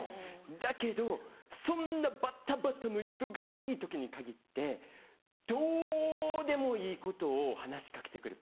だけどそんなバタバタの忙しい時に限ってどうでもいいことを話し掛けて来る